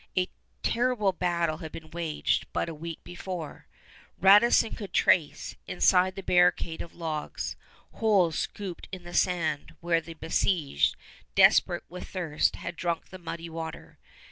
A terrible battle had been waged but a week before. Radisson could trace, inside the barricade of logs, holes scooped in the sand where the besieged, desperate with thirst, had drunk the muddy water.